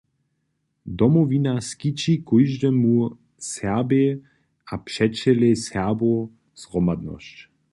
Domowina skići kóždemu Serbej a přećelej Serbow zhromadnosć.